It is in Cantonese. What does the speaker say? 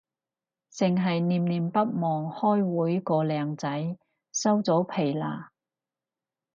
剩係念念不忘開會個靚仔，收咗皮喇